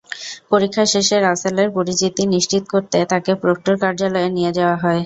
পরীক্ষা শেষে রাসেলের পরিচিতি নিশ্চিত করতে তাঁকে প্রক্টর কার্যালয়ে নিয়ে যাওয়া হয়।